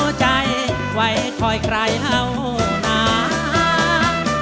ตัวใจไว้คอยไข่เหล่านาน